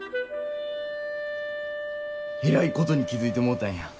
えらいことに気付いてもうたんや。